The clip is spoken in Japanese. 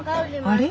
あれ？